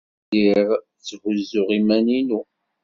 Lliɣ tthuzzuɣ iman-inu.